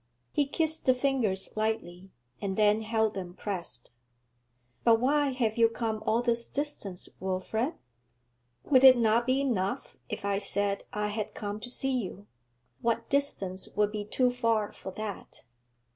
He kissed the fingers lightly, and then held them pressed. 'But why have you come all this distance, Wilfrid?' 'Would it not be enough if I said I had come to see you? What distance would be too far for that?'